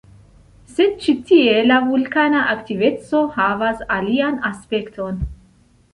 Sed ĉi tie la vulkana aktiveco havas alian aspekton.